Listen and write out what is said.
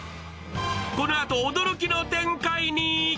このあと驚きの展開に。